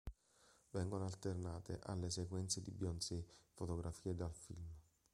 Vengono alternate alle sequenze di Beyoncé, fotografie dal film.